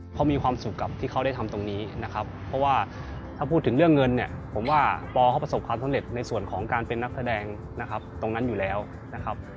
เขามีความสุขกับที่เขาได้ทำตรงนี้นะครับเพราะว่าถ้าพูดถึงเรื่องเงินเนี่ยผมว่าปอเขาประสบความสำเร็จในส่วนของการเป็นนักแสดงนะครับตรงนั้นอยู่แล้วนะครับ